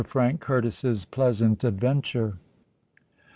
FRANK CURTIS'S PLEASANT ADVENTURE.